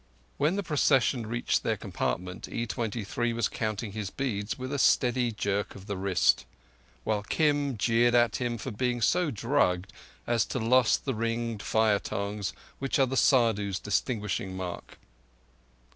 When the procession reached their compartment, E23 was counting his beads with a steady jerk of the wrist; while Kim jeered at him for being so drugged as to have lost the ringed fire tongs which are the Saddhu's distinguishing mark.